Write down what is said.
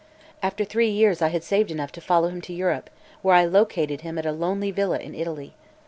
"After three years I had saved enough to follow him to Europe, where I located him at a lonely villa in Italy.